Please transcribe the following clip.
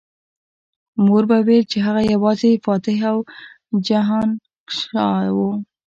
مور به ویل هغه یوازې فاتح او جهانګشا و